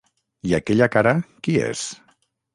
I aquella cara, qui és?